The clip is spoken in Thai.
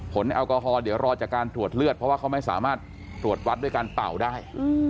แอลกอฮอลเดี๋ยวรอจากการตรวจเลือดเพราะว่าเขาไม่สามารถตรวจวัดด้วยการเป่าได้